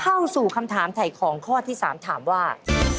เข้าสู่คำถามถ่ายของข้อที่๓ถามว่า